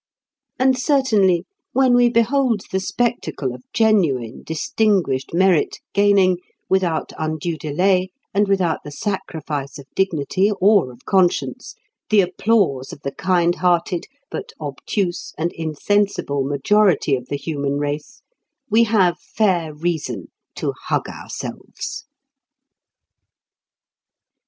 And certainly when we behold the spectacle of genuine distinguished merit gaining, without undue delay and without the sacrifice of dignity or of conscience, the applause of the kind hearted but obtuse and insensible majority of the human race, we have fair reason to hug ourselves.